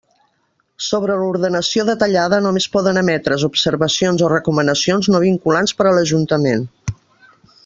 Sobre l'ordenació detallada només poden emetre's observacions o recomanacions no vinculants per a l'ajuntament.